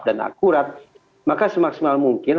dan akurat maka semaksimal mungkin